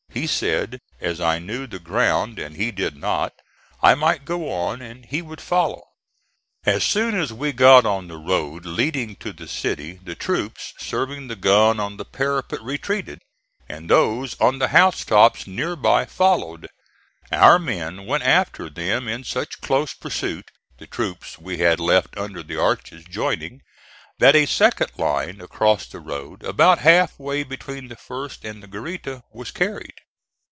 He said, as I knew the ground and he did not, I might go on and he would follow. As soon as we got on the road leading to the city the troops serving the gun on the parapet retreated, and those on the house tops near by followed; our men went after them in such close pursuit the troops we had left under the arches joining that a second line across the road, about half way between the first and the garita, was carried.